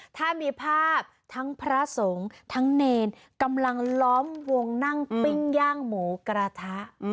ถ้ามีภาพทั้งพระสงฆ์ทั้งเนรกำลังล้อมวงนั่งปิ้งย่างหมูกระทะ